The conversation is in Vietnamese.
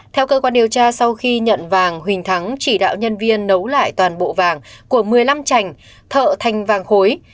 theo cơ quan điều tra sau khi nhận vàng huỳnh thắng chỉ đạo nhân viên nấu lại toàn bộ vàng của một mươi năm trành thợ thành vàng khối